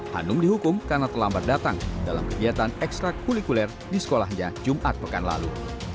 hanum dihukum karena terlambat datang dalam kegiatan ekstra kulikuler di sekolahnya jumat pekan lalu